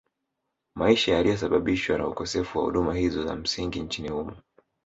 Maisha yaliyosababishwa na ukosefu wa huduma hizo za msingi nchini humo